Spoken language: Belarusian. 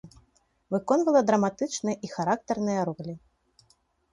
Выконвала драматычныя і характарныя ролі.